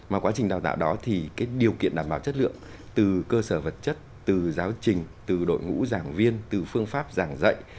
mà quá trình đào tạo đó thì cái điều kiện đảm bảo chất lượng từ cơ sở vật chất từ giáo trình từ đội ngũ giảng viên từ phương pháp giảng dạy